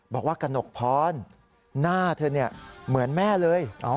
กระหนกพรหน้าเธอเหมือนแม่เลย